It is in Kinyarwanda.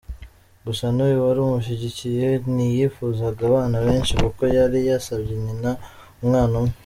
Gusa n’uyu wari umushyigikiye, ntiyifuzaga abana benshi kuko yari yasabye nyina umwana umwe.